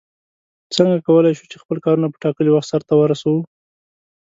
څنگه کولای شو چې خپل کارونه په ټاکلي وخت سرته ورسوو؟